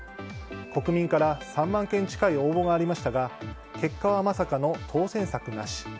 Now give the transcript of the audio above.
国民から３万件近い応募がありましたが結果はまさかの当選作なし。